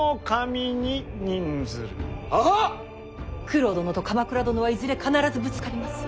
九郎殿と鎌倉殿はいずれ必ずぶつかります。